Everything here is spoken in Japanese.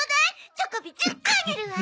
チョコビ１０個あげるわ！